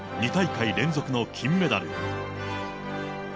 ２大会連続の金メダル。